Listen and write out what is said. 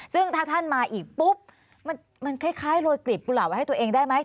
ซึ่งถ้าท่านมาอีกปุ๊บมันคล้ายโรยกลีบกุหลาบไว้ให้ตัวเองได้ไหม